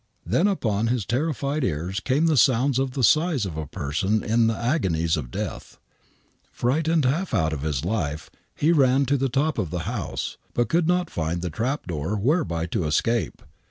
Then upon his terrified ears came '•■' I Mmmmh iSM 44 THE WHITECHAPEL MURDERS the sounds of the sighs of a person in the agonies of death. Frightened half out of his life, he ran to the top of the house, but could not find the trapdoor whereby to escape.